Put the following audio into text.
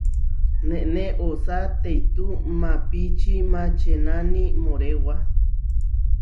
Nené osá teitú maʼpíči mačenáni moʼréwa.